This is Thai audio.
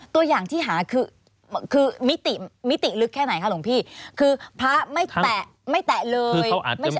ตัวอย่างที่หาคือมิติมิติลึกแค่ไหนคะหลวงพี่คือพระไม่แตะไม่แตะเลย